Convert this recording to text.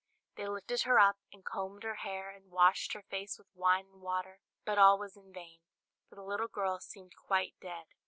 They lifted her up, and combed her hair, and washed her face with wine and water; but all was in vain, for the little girl seemed quite dead.